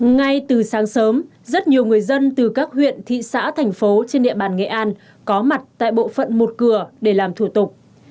ngay từ sáng sớm rất nhiều người dân từ các huyện thị xã thành phố trên địa bàn nghệ an có mặt tại bộ phận một cửa để làm thủ tục